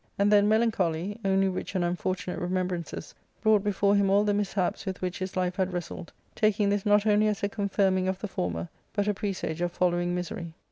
And then melancholy, only rich in un fortunate remembrances, brought before him all the mishaps with which his life had wrestled, taking^ this not only as a confirming of the former, but a presage of following misery.